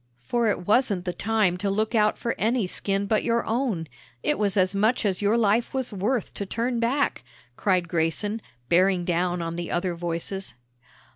"For it wasn't the time to look out for any skin but your own; it was as much as your life was worth to turn back," cried Grayson, bearing down on the other voices.